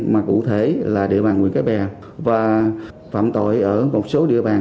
mà cụ thể là địa bàn nguyễn cái bè và phạm tội ở một số địa bàn